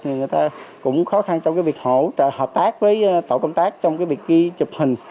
người ta cũng khó khăn trong cái việc hỗ trợ hợp tác với tổ công tác trong cái việc ghi chụp hình